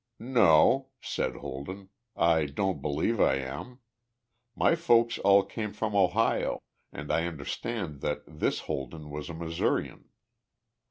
"No," said Holden, "I don't believe I am. My folks all came from Ohio and I understand that this Holden was a Missourian."